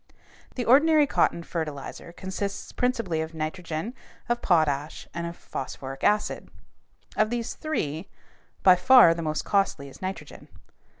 The ordinary cotton fertilizer consists principally of nitrogen, of potash, and of phosphoric acid. Of these three, by far the most costly is nitrogen.